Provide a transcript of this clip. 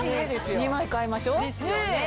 ２枚買いましょう。